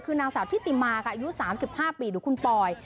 คือนางสาวทิติมาอายุสามสิบห้าปีคุณปอย